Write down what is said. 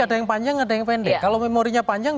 ada yang panjang ada yang pendek kalau memorinya panjang